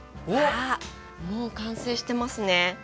あっもう完成してますね。